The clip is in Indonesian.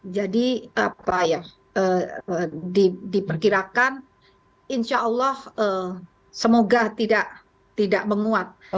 jadi diperkirakan insya allah semoga tidak menguat